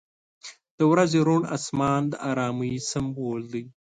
• د ورځې روڼ آسمان د آرامۍ سمبول دی.